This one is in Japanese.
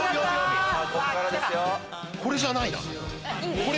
これじゃないな。